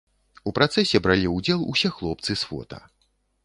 У працэсе бралі ўдзел усе хлопцы з фота.